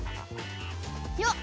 よっ！